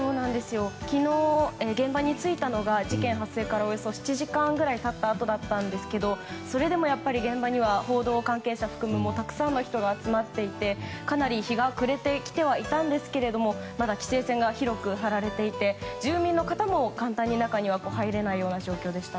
昨日、現場に着いたのが事件発生からおよそ７時間ぐらい経ったあとだったんですけれどそれでも、やっぱり現場には報道関係者を含めたくさんの人が集まっていて、かなり日が暮れてきてはいたんですがまだ規制線が広く張られていて住民の方も簡単に中には入れない状況でした。